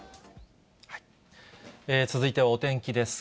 続いてはお天気です。